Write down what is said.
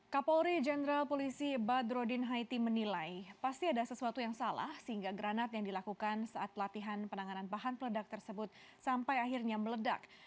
kapolri jenderal polisi badrodin haiti menilai pasti ada sesuatu yang salah sehingga granat yang dilakukan saat pelatihan penanganan bahan peledak tersebut sampai akhirnya meledak